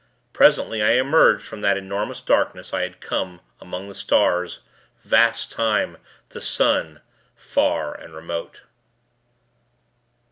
Presently, I emerged from that enormous darkness. I had come among the stars ... vast time ... the sun, far and remote.